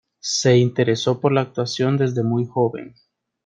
Se interesó por la actuación desde muy joven.